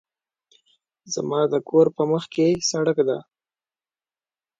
زما د کور په مخکې سړک ده